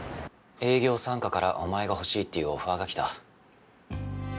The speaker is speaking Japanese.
営業３課からお前が欲しいっていうオファーが来た。